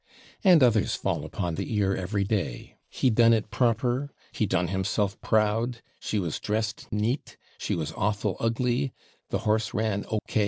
And others fall upon the ear every day: "he done it /proper/," "he done himself /proud/," "she was dressed /neat/," "she was /awful/ ugly," "the horse ran /O.